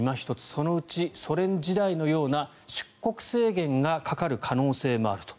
そのうちソ連時代のような出国制限がかかる可能性もあると。